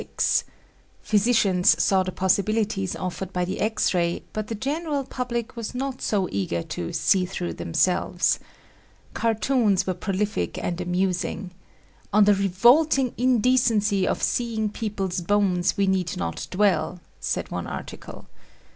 Physicians saw the possibilities offered by the X ray but the general public was not so eager to "see through themselves." Cartoons were prolific and amusing. "On the revolting indecency of seeing people's bones we need not dwell," said one article.